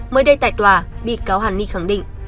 mới đây tại tòa bị cáo hằng nhi khẳng định